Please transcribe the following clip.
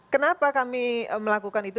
kenapa kami melakukan itu